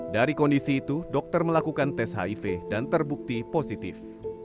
dari kondisi itu dokter melakukan tes hiv dan terbukti positif